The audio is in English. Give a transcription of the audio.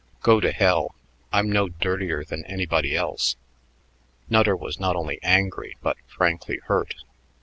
"Go to hell! I'm no dirtier than anybody else." Nutter was not only angry but frankly hurt.